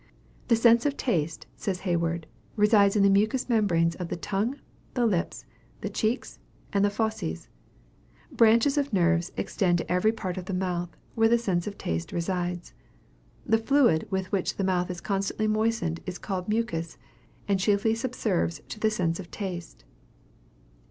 "The sense of taste," says Hayward, "resides in the mucus membrane of the tongue, the lips, the cheeks, and the fauces." Branches of nerves extend to every part of the mouth where the sense of taste resides. The fluid with which the mouth is constantly moistened is called mucus, and chiefly subserves to the sense of taste.